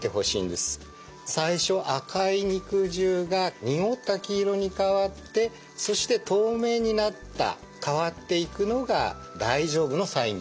最初赤い肉汁が濁った黄色に変わってそして透明になった変わっていくのが大丈夫のサインになります。